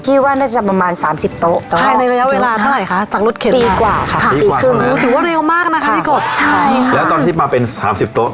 คิดว่าน่าจะประมาณสามสิบโต๊ะ